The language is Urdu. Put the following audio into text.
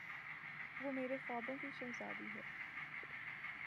وہ میرے خوابوں کی شہزادی ہے۔